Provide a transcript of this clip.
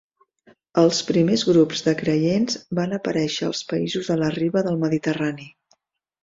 Els primers grups de creients van aparèixer als països de la riba del Mediterrani.